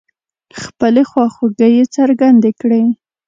خپلې خواخوږۍ يې څرګندې کړې.